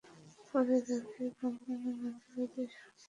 পরে তাঁকে ভ্রাম্যমাণ আদালতে সোপর্দ করে তিন মাসের বিনাশ্রম কারাদণ্ড দেওয়া হয়।